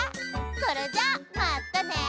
それじゃまたね。